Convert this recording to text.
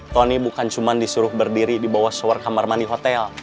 tony bukan cuma disuruh berdiri di bawah sour kamar mandi hotel